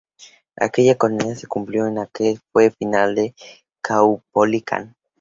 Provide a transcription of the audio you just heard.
Aquella condena se cumplió y aquel fue el final de Caupolicán.